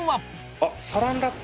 あっサランラップ？